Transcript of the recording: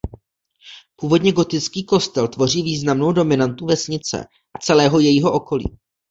Původně gotický kostel tvoří významnou dominantu vesnice a celého jejího okolí.